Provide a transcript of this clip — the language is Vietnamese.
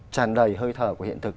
tràn đầy hơi thở của hiện thực